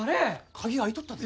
鍵開いとったで。